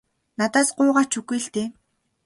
Надаас гуйгаа ч үгүй л дээ.